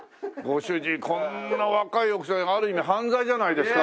こんな若い奥さんある意味犯罪じゃないですか？